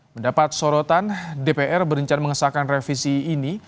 mendapat sorotan dpr berencana mengesahkan revisi ini